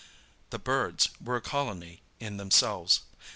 The birds were a colony in themselves.